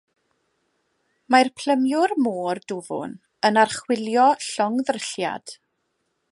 Mae plymiwr môr dwfn yn archwilio llongddrylliad.